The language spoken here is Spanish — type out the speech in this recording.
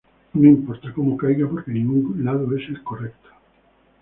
No importa como caiga porque ningún lado es el correcto.